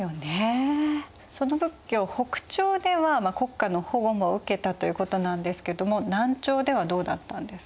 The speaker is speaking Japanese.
その仏教北朝では国家の保護も受けたということなんですけども南朝ではどうだったんですか？